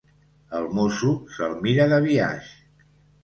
El mosso se'l mira de biaix.